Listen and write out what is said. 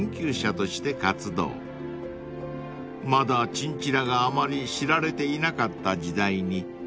［まだチンチラがあまり知られていなかった時代に］